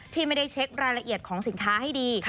ที่ไม่ได้เช็ครายละเอียดของสินค้าให้ดี